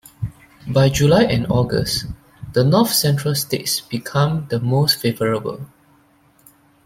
By July and August, the north-central states become the most favorable.